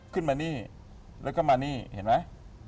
ขึ้นมานี่แล้วก็มานี่เห็นไหม